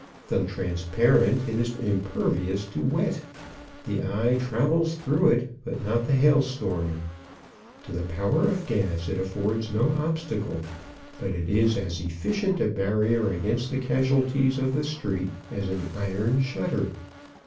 Though transparent it is impervious to wet. The eye travels through it, but not the hailstorm. To the power of gas it affords no obstacle, but is as efficient a barrier against the casualties of the street as an iron shutter.